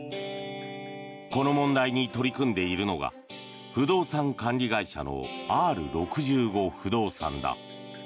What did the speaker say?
この問題に取り組んでいるのが不動産管理会社のＲ６５不動産だ。